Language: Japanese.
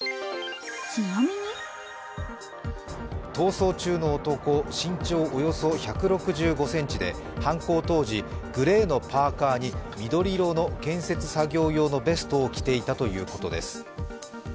逃走中の男、身長およそ１６５ｃｍで犯行当時、グレーのパーカーに緑色の建設作業用のベストを着ていたということです。